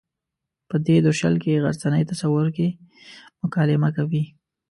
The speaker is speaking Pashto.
په دې درشل کې غرڅنۍ تصور کې مکالمه کوي.